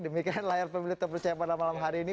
demikian layar pemilu terpercaya pada malam hari ini